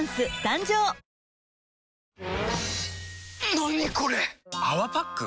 何これ⁉「泡パック」？